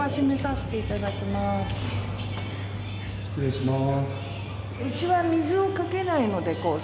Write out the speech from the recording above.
失礼します。